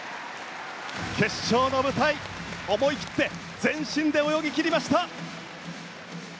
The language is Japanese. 決勝の舞台、思い切って全身で泳ぎ切りました。